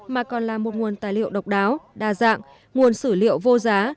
mà còn là một nguồn tài liệu độc đáo đa dạng nguồn sử liệu vô giá